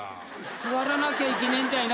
座らなきゃいけねえんだな。